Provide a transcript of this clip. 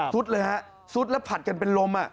ซุดเลยครับซุดแล้วผลัดกันเป็นลม